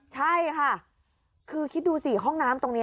ใช่ค่ะคือคิดดูสิห้องน้ำตรงนี้